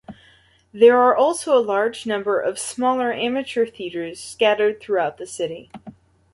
There are also a large number of smaller amateur theatres scattered throughout the city.